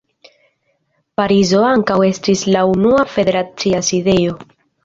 Parizo ankaŭ estis la unua federacia sidejo.